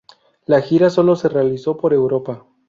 La gira sólo se realizó por Europa.